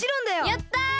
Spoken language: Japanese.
やった！